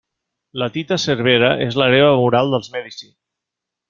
La Tita Cervera és l'hereva moral dels Medici.